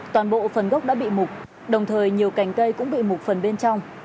toàn bộ phần gốc đã bị mục đồng thời nhiều cành cây cũng bị mục phần bên trong